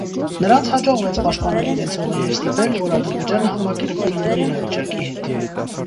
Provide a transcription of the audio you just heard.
Նրանց հաջողվեց պաշտպանել իրենց հողը և ստիպել, որ Ադրբեջանը համակերպվի նոր իրավիճակի հետ: